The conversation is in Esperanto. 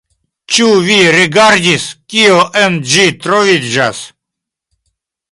Ĉu vi rigardis, kio en ĝi troviĝas?